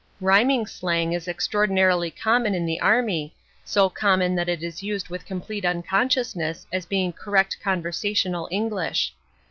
Rhyming slang is extraordinarily common in the army, so common that it is used with complete unconsciousness as being correct conversational English.